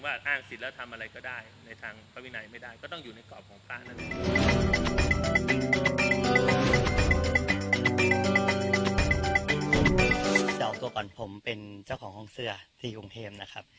จะเอาตัวก่อนผมเป็นเจ้าของห้องเสื้อที่กรุงเทพนะครับ